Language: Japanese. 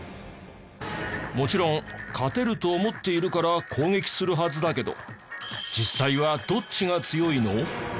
もちろん勝てると思っているから攻撃するはずだけど実際はどっちが強いの？